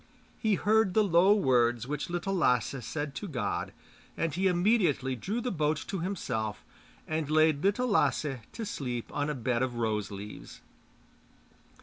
He heard the low words which Little Lasse said to God, and he immediately drew the boat to himself and laid Little Lasse to sleep on a bed of rose leaves.